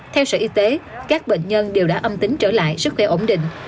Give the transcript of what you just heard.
theo sở y tế các bệnh nhân đều đã âm tính trở lại sức khỏe ổn định